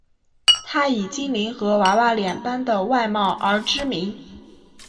她以精灵和娃娃脸般的外貌而知名。